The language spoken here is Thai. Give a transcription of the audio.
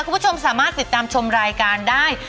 คุณผู้ชมสามารถติดตามชมรายการได้